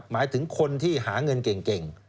หมายถึงคนที่หาเงินเก่ง